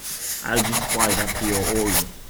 I'll just apply that to your order.